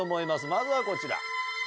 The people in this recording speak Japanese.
まずはこちら。